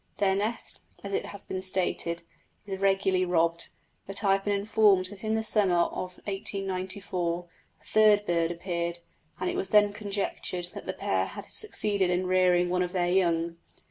Their nest, it has been stated, is regularly robbed, but I had been informed that in the summer of 1894 a third bird appeared, and it was then conjectured that the pair had succeeded in rearing one of their young.